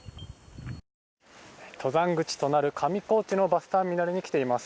登山口となる上高地のバスターミナルに来ています。